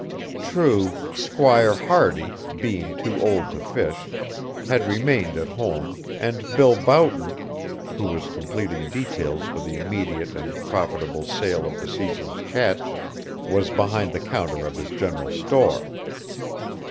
True, Squire Hardy, being too old to fish, had remained at home, and Bill Boughton, who was completing details for the immediate and profitable sale of the season's catch, was behind the counter of his general store.